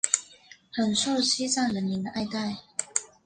很受西藏人民的爱戴。